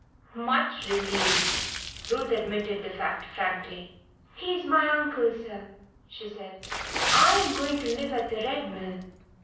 Much relieved, Ruth admitted the fact frankly. "He is my uncle, sir," she said. "I am going to live at the Red Mill."